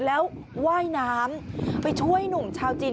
แล้วว่ายน้ำไปช่วยหนุ่มชาวจีน